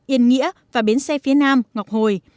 yên nghĩa và bến xe phía nam ngọc hồi